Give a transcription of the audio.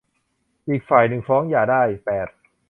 อีกฝ่ายหนึ่งฟ้องหย่าได้ แปด